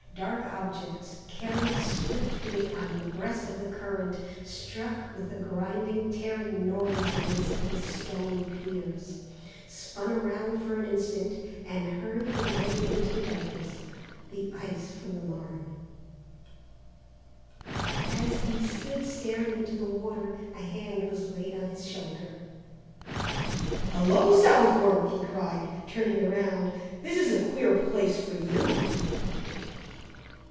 Dark objects, carried swiftly on the breast of the current, struck with a grinding tearing noise against the stone piers, spun around for an instant, and hurried away into the darkness. The ice from the Marne. As he stood staring into the water, a hand was laid on his shoulder. "Hello, Southwark!" he cried, turning around; "this is a queer place for you!"